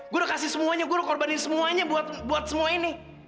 gue udah kasih semuanya gue udah korbanin semuanya buat semua ini